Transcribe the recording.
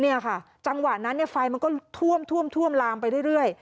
นี่ค่ะจังหวะนั้นไฟมันก็ท่วมลามไปเรื่อย